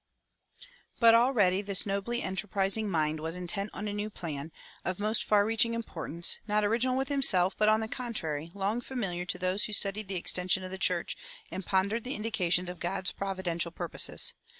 But already this nobly enterprising mind was intent on a new plan, of most far reaching importance, not original with himself, but, on the contrary, long familiar to those who studied the extension of the church and pondered the indications of God's providential purposes.